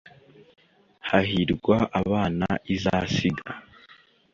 hahirwa abana izasiga